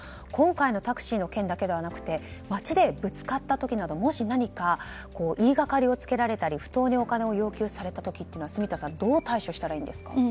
今回のタクシーの件だけではなく街でぶつかった時などもし、何か言いがかりをつけられたり不当にお金を要求された時って住田さんどう対処したらいいんですか？